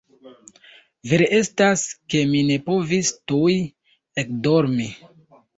Vere estas, ke mi ne povis tuj ekdormi.